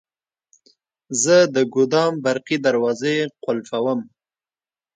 زه د ګودام برقي دروازې قلفووم.